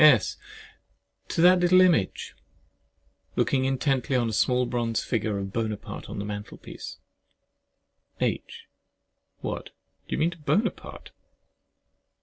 S. To that little image! (looking intently on a small bronze figure of Buonaparte on the mantelpiece). H. What, do you mean to Buonaparte?